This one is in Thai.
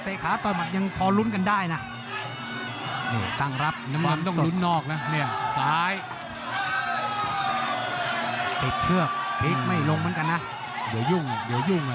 ถไปมาจะหายไปจะบุจังอีกครับ